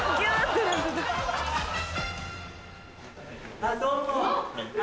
・あっどうも・あっ！